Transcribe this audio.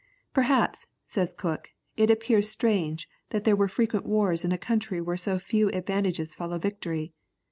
] "Perhaps," says Cook, "it appears strange that there were frequent wars in a country where so few advantages follow victory."